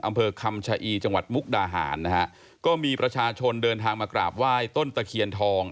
อำเภอคำชะอีจังหวัดมุกดาหารนะฮะก็มีประชาชนเดินทางมากราบไหว้ต้นตะเคียนทอง